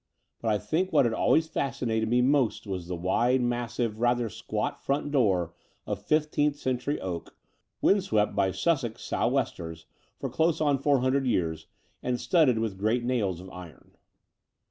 But I think what had always f asdnated me most was the wide, massive, rather squat front door of fifteenth century oak, wind swept by Sussex sou* westers for close on f otn: hundred years, and stud ded with great nails of iron.